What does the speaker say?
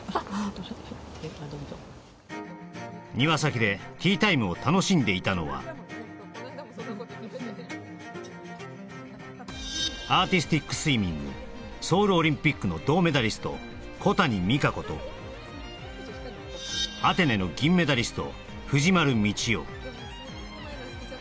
都内の一軒家庭先でティータイムを楽しんでいたのはアーティスティックスイミングソウルオリンピックの銅メダリスト小谷実可子とアテネの銀メダリスト藤丸真世